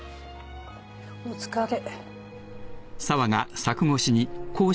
お疲れ。